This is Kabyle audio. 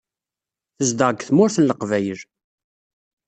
Tezdeɣ deg Tmurt n Leqbayel.